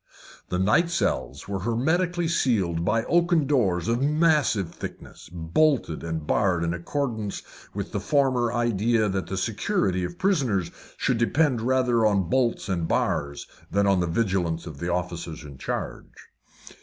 The night cells were hermetically sealed by oaken doors of massive thickness, bolted and barred in accordance with the former idea that the security of prisoners should depend rather upon bolts and bars than upon the vigilance of the officers in charge.